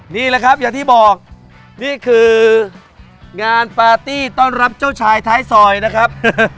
นี่แหละครับอย่างที่บอกนี่คืองานปาร์ตี้ต้อนรับเจ้าชายท้ายซอยนะครับ